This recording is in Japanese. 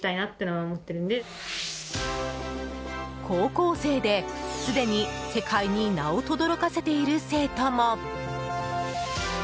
高校生ですでに、世界に名をとどろかせている生徒も。